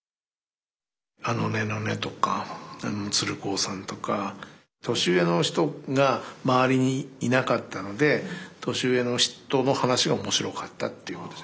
あのねのねとか鶴光さんとか年上の人が周りにいなかったので年上の人の話が面白かったっていうことじゃないですかね。